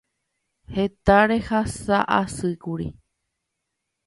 Heta rehasa'asýkuri.